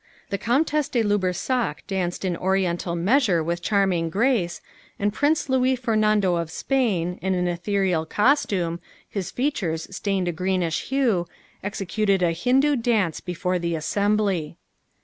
"The Comtesse de Lubersac danced an Oriental measure with charming grace, and Prince Luis Fernando of Spain, in an ethereal costume, his features stained a greenish hue, executed a Hindoo dance before the assembly."